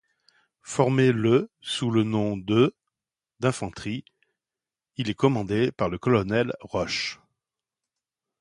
Formé le sous le nom de d'infanterie, il est commandé par le colonel Roche.